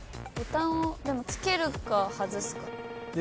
ボタンをでもつけるか外すか。